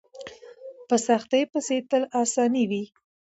په سختۍ پسې تل اساني وي.